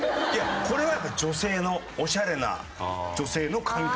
これはやっぱ女性のオシャレな女性の感覚。